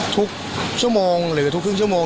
ทุกชั่วโมงหรือทุกครึ่งชั่วโมง